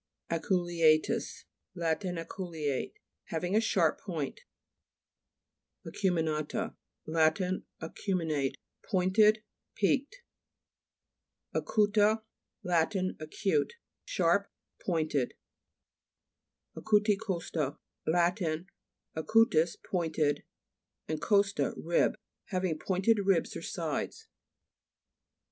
ACULEA'TUS Lat. Aculeate ; having a sharp point, (p. 49.) ACUMIX A'TA Lat. Acuminate ; pointed ; peaked, (p. 59.) ACU'TA Lat. Acute ; sharp pointed. ACUTICO'STA Lat. (acutus, pointed, and costa, rib.) Having pointed ribs or sides.